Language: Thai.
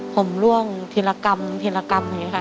ผมร่วงทีละกรรมทีละกรรม